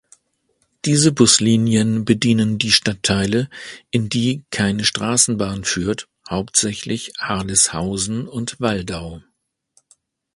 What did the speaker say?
Diese Buslinien bedienen die Stadtteile, in die keine Straßenbahn führt, hauptsächlich Harleshausen und Waldau.